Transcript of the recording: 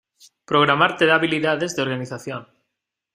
Programar te da habiliades de organización.